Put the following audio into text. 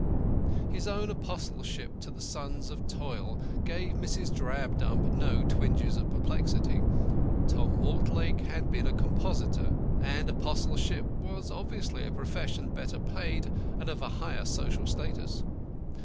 His own apostleship to the sons of toil gave Mrs. Drabdump no twinges of perplexity. Tom Mortlake had been a compositor; and apostleship was obviously a profession better paid and of a higher social status.